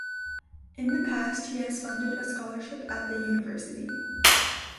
In the past he has funded a scholarship at the university.